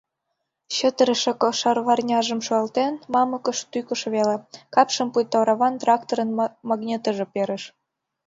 Чытырыше кошарварняжым шуялтен, мамыкыш тӱкыш веле, капшым пуйто ораван тракторын магнетожо перыш.